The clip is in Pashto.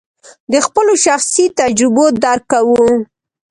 د خپلو شخصي تجربو درک کوو.